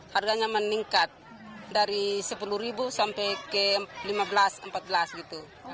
harganya meningkat dari rp sepuluh sampai ke rp lima belas rp empat belas gitu